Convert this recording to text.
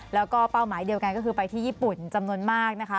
แล้วก็เป้าหมายเดียวกันก็คือไปที่ญี่ปุ่นจำนวนมากนะคะ